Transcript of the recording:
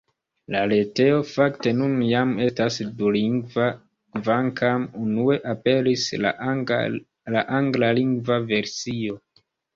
La retejo, fakte, nun jam estas dulingva, kvankam unue aperis la anglalingva versio.